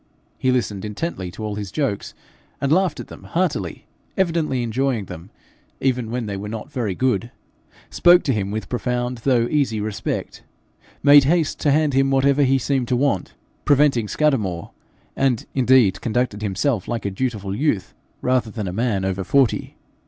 He listened intently to all his jokes, and laughed at them heartily, evidently enjoying them even when they were not very good; spoke to him with profound though easy respect; made haste to hand him whatever he seemed to want, preventing Scudamore; and indeed conducted himself like a dutiful youth, rather than a man over forty.